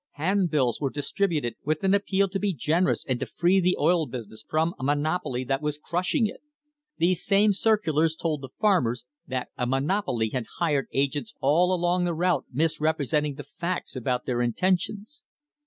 Hand bills were distributed with an appeal to be generous and to free the oil business from a monopoly that was crushing it. These same circulars told the farmers that a monopoly had hired agents all along the route misrepresenting the facts about their intentions.